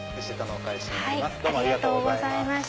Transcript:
ありがとうございます。